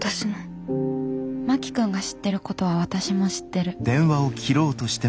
真木君が知ってることは私も知ってる。